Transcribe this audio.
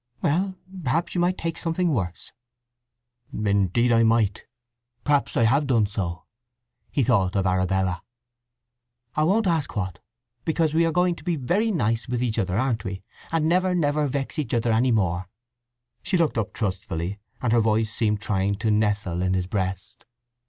"Well, perhaps you might take something worse." "Indeed I might. Perhaps I have done so!" He thought of Arabella. "I won't ask what, because we are going to be very nice with each other, aren't we, and never, never, vex each other any more?" She looked up trustfully, and her voice seemed trying to nestle in his breast.